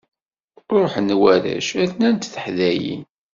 Ṛuḥen warrac rnant teḥdayin.